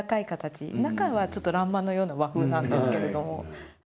中は欄間のような和風なんですけれども。